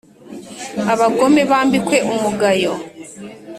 Abagome bambikwe umugayo